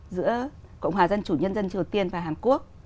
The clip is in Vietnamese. giữa cộng hòa dân chủ nhân dân triều tiên và hàn quốc